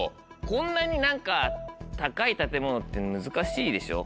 こんなに何か高い建物って難しいでしょ。